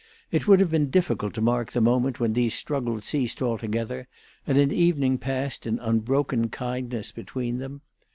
It would have been difficult to mark the moment when these struggles ceased altogether, and an evening passed in unbroken kindness between them.